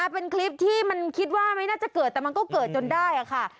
เป็นคลิปที่มันคิดว่าไม่น่าจะเกิดแต่มันก็เกิดจนได้ค่ะ